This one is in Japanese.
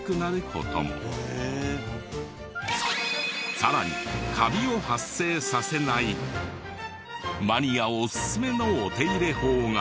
さらにカビを発生させないマニアおすすめのお手入れ法が。